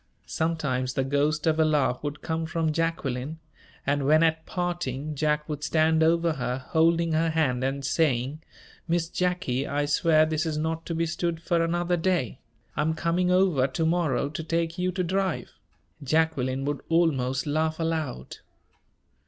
Sometimes the ghost of a laugh would come from Jacqueline, and when, at parting, Jack would stand over her, holding her hand and saying, "Miss Jacky, I swear this is not to be stood for another day! I'm coming over to morrow to take you to drive!" Jacqueline would almost laugh aloud.